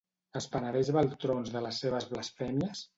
Es penedeix Baltrons de les seves blasfèmies?